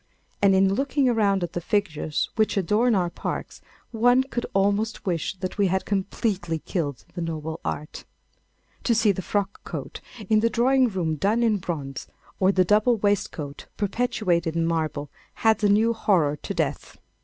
And, in looking around at the figures which adorn our parks, one could almost wish that we had completely killed the noble art. To see the frock coat of the drawing room done in bronze, or the double waistcoat perpetuated in marble, adds a new horror to death.